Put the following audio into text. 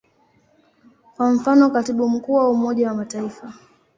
Kwa mfano, Katibu Mkuu wa Umoja wa Mataifa.